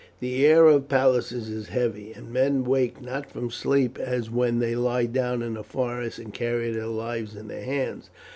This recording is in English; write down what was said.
The air of palaces is heavy, and men wake not from sleep as when they lie down in the forest and carry their lives in their hands.